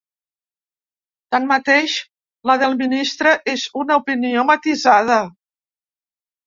Tanmateix, la del ministre és una opinió matisada.